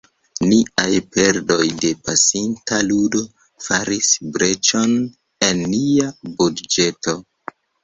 Niaj perdoj de pasinta lundo faris breĉon en nia budĝeto.